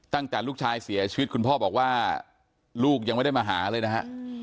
ตั้งแต่ลูกชายเสียชีวิตคุณพ่อบอกว่าลูกยังไม่ได้มาหาเลยนะฮะ